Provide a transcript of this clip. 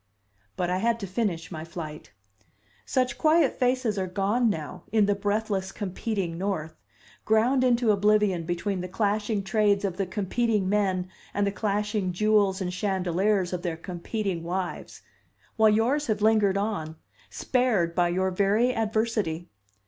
But I had to finish my flight. "Such quiet faces are gone now in the breathless, competing North: ground into oblivion between the clashing trades of the competing men and the clashing jewels and chandeliers of their competing wives while yours have lingered on, spared by your very adversity.